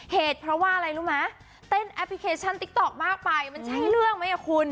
เหตุเพราะว่าอะไรรู้ไหมเต้นแอปพลิเคชันติ๊กต๊อกมากไปมันใช่เรื่องไหมอ่ะคุณ